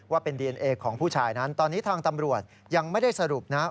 ว่าเป็นดีเอนเอของผู้ชายนั้นตอนนี้ทางตำรวจยังไม่ได้สรุปนะครับ